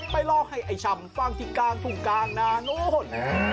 รอให้ไอ้ชำฟังที่กลางทุ่งกลางนานู้น